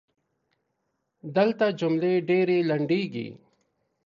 دلته جملې ډېري لنډیږي.